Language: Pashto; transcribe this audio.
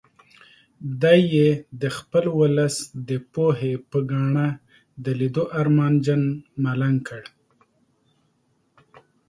دی یې د خپل ولس د پوهې په ګاڼه د لیدو ارمانجن ملنګ کړ.